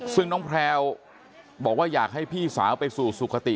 ซึ่งน้องแพลวบอกว่าอยากให้พี่สาวไปสู่สุขติ